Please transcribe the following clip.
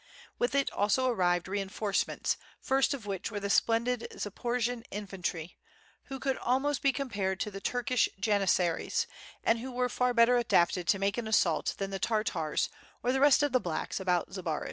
With it also arrived reinforce ments, first of which were the splendid Zaporojian infantry, who could almost be compared to the Turkish janissaries, and who were far better adapted to make an assault than the Tartars or the rest of the "blacks" about Zbaraj.